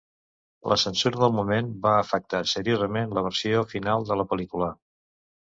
La censura del moment va afectar seriosament la versió final de la pel·lícula.